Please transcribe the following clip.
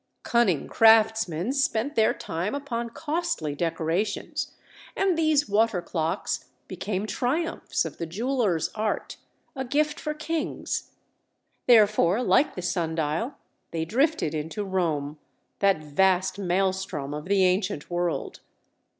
Cunning craftsmen spent their time upon costly decorations, and these water clocks became triumphs of the jeweler's art, a gift for kings. Therefore, like the sun dial, they drifted into Rome—that vast maelstrom of the ancient world.